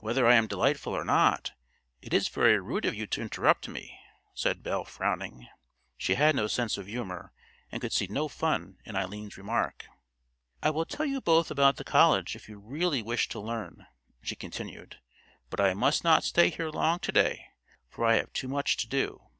"Whether I am delightful or not, it is very rude of you to interrupt me," said Belle, frowning. She had no sense of humor, and could see no fun in Eileen's remark. "I will tell you both about the college if you really wish to learn," she continued; "but I must not stay here long to day, for I have too much to do.